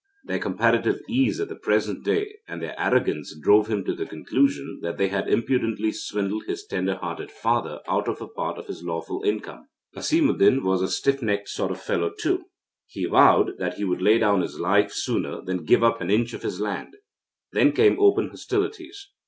Their comparative ease at the present day and their arrogance drove him to the conclusion that they had impudently swindled his tender hearted father out of a part of his lawful income. Asimuddin was a stiff necked sort of a fellow, too. He vowed that he would lay down his life sooner than give up an inch of his land. Then came open hostilities.